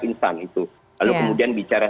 instan lalu kemudian bicara